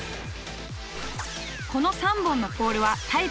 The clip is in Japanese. この３本のポールはタイプ１。